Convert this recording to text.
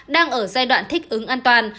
đang ở giai đoạn thích ứng an toàn